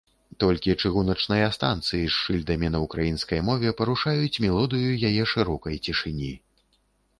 Толькі чыгуначныя станцыі з шыльдамі на ўкраінскай мове парушаюць мелодыю яе шырокай цішыні.